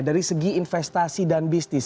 dari segi investasi dan bisnis